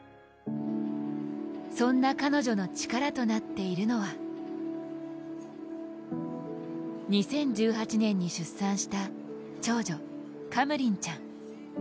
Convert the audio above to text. そんな彼女の力となっているのは２０１８年に出産した長女・カムリンちゃん。